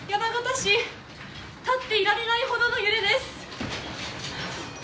立っていられないほどの揺れです。